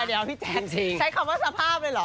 เดี๋ยวเอาพี่แจ๊ใช้คำว่าสภาพเลยเหรอ